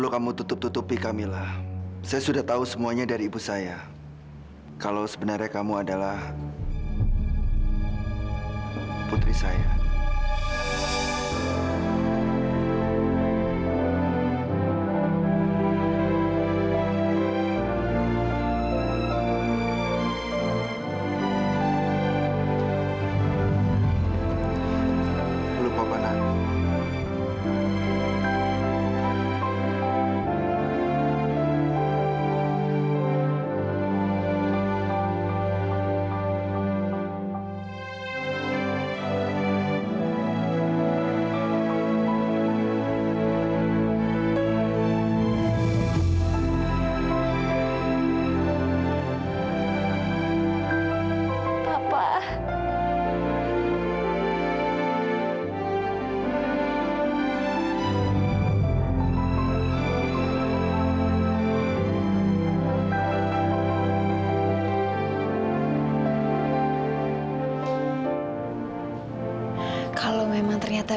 sampai jumpa di video selanjutnya